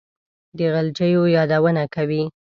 د غلجیو یادونه کوي.